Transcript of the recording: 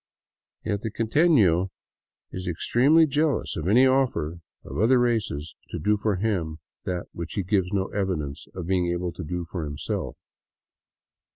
Yet the quitefio is extremely jealous of any offer of other races to do for him that which he gives no evidence of being able to do for himself.